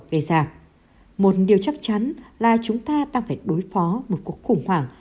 gây ra một điều chắc chắn là chúng ta đang phải đối phó một cuộc khủng hoảng